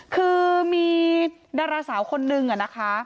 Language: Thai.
คือมีดาราสาวคนนึงนะคะ